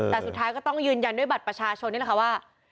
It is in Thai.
แต่สุดท้ายก็ต้องยืนยันด้วยบัตรประชาชนนี่แหละค่ะว่า